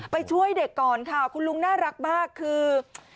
ไปช่วยเด็กก่อนค่ะคุณลุงน่ารักมากคือ